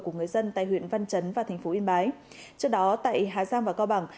của người dân tại huyện văn chấn và thành phố yên bái trước đó tại hà giang và cao bằng